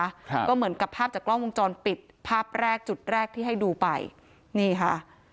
ครับก็เหมือนกับภาพจากกล้องวงจรปิดภาพแรกจุดแรกที่ให้ดูไปนี่ค่ะ